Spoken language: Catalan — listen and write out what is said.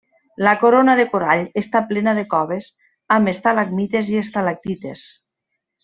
La corona de corall està plena de coves amb estalagmites i estalactites.